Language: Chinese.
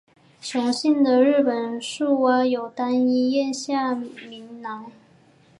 雄性的日本树蛙有单一咽下外鸣囊。